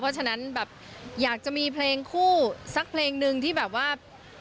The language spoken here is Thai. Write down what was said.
เพราะฉะนั้นแบบอยากจะมีเพลงคู่สักเพลงหนึ่งที่แบบว่า